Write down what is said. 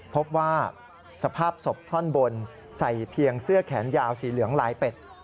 พบว่าสภาพศพท่อนบนใส่เพียงเสื้อแขนยาวสีเหลืองลายเป็ด